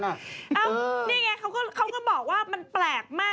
นี่ไงเขาก็บอกว่ามันแปลกมาก